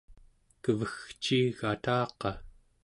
kevegciigataqa